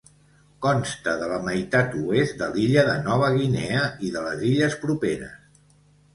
Consta de la meitat oest de l'illa de Nova Guinea i de les illes properes.